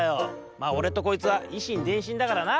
まあおれとこいつは以心伝心だからな。